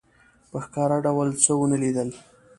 په ښکاره ډول څه ونه لیدل.